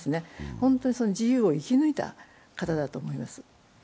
本当に自由を生き抜いた方だと思います。